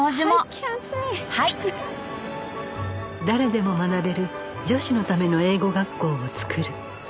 誰でも学べる女子のための英語学校を作る